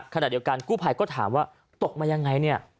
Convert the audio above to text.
ขณะเดียวกันกู้ภัยก็ถามว่าตกมายังไงเนี่ย